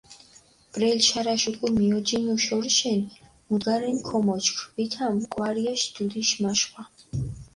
ბრელი შარაშ უკული მიოჯინუ შორიშენი, მუდგარენი ქომოჩქ, ვითამ კვარიაში დუდიში მაშხვა.